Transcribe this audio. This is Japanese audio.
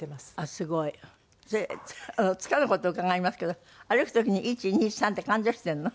すごい。つかぬ事を伺いますけど歩く時に１２３って勘定してるの？